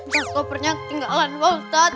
tas kopernya ketinggalan pak ustadz